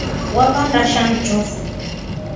Wavanda sha njofu.